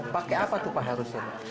pakai apa tuh pak harusnya